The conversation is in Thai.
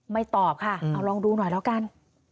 ตอบค่ะเอาลองดูหน่อยแล้วกัน